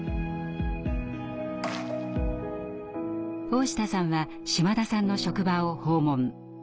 大下さんは島田さんの職場を訪問。